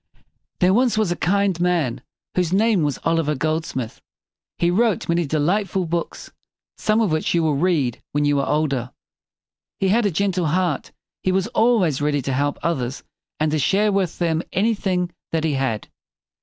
There was once a kind man whose name was Oliver Gold smith. He wrote many de light ful books, some of which you will read when you are older. He had a gentle heart. He was always ready to help others and to share with them anything that he had.